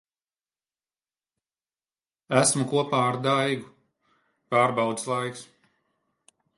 Esmu kopā ar Daigu. Pārbaudes laiks.